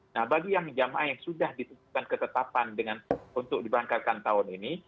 nah bagi yang jamaah yang sudah ditetapkan ketetapan untuk diberangkatkan tahun ini